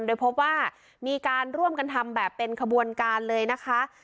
โดยพบว่ามีการร่วมกันทำแบบเป็นขบวนการเลยนะคะ